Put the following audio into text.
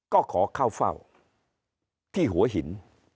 ก็ขอเข้าเฝ้าที่หัวหิน